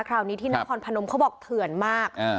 คราวนี้ที่นครพนมเขาบอกเถื่อนมาก